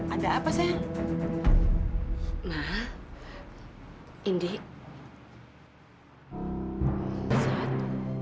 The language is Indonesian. ada apa saya ma indik